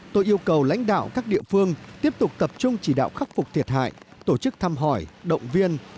tôi yêu cầu lãnh đạo các địa phương tiếp tục tập trung chỉ đạo khắc phục thiệt hại tổ chức thăm hỏi động viên